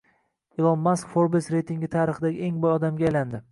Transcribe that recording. Ilon Mask Forbes reytingi tarixidagi eng boy odamga aylandi